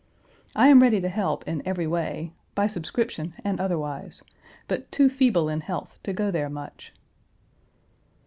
I am ready to help in every way, by subscription and otherwise, but too feeble in health to go there much.